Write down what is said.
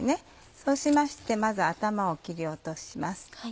そうしましてまず頭を切り落とします。